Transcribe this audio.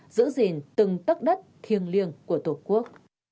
giữ gìn từng tất đất thiêng liêng của tổ quốc